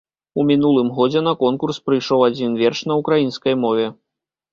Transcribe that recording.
У мінулым годзе на конкурс прыйшоў адзін верш на ўкраінскай мове.